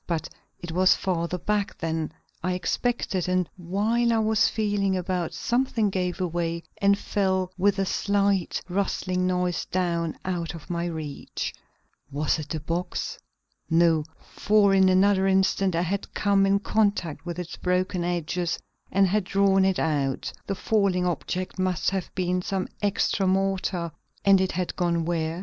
But it was farther back than I expected, and while I was feeling about something gave way and fell with a slight, rustling noise down out of my reach. Was it the box? No, for in another instant I had come in contact with its broken edges and had drawn it out; the falling object must have been some extra mortar, and it had gone where?